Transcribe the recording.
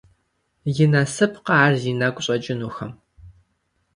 И насыпкъэ ар зи нэгу щӀэкӀынухэм?!